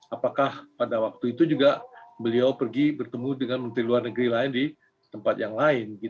apakah pada waktu itu juga beliau pergi bertemu dengan menteri luar negeri lain di tempat yang lain